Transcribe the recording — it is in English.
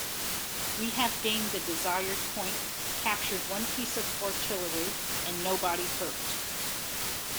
We have gained the desired point, captured one piece of artillery and nobody hurt.